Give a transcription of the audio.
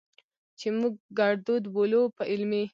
چې موږ ګړدود بولو، په علمي